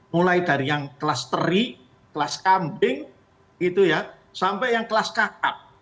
mulai dari yang kelas teri kelas kambing gitu ya sampai yang kelas kakap